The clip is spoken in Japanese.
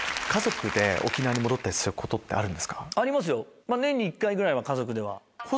ありますよ。